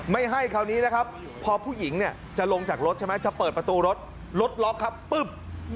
ไม่ให้คราวนี้นะครับพอผู้หญิงเนี่ยจะลงจากรถใช่ไหมจะเปิดประตูรถรถล็อกครับปึ๊บ